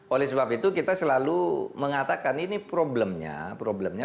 oleh sebab itu kita selalu mengatakan ini problemnya